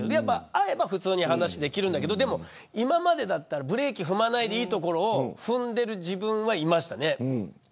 会えば普通に話ができるんだけどでも、今までだったらブレーキ踏まないでいいところで踏んでいる自分がいました。